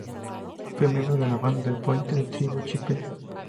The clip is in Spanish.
Fue miembro de la banda La Pointe de la tribu chippewa.